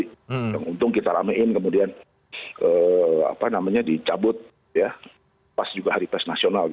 yang untung kita ramein kemudian dicabut ya pas juga hari tes nasional